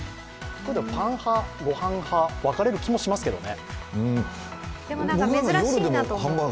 パン派、御飯派、分かれる気もしますけどね。